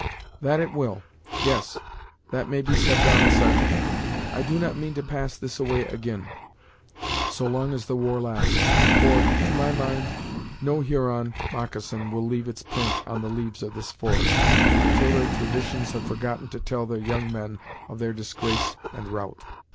"That it will! Yes, that may be set down as sartain. I do not mean to pass this a way, ag'in, so long as the war lasts, for, to my mind no Huron moccasin will leave its print on the leaves of this forest, until their traditions have forgotten to tell their young men of their disgrace and rout."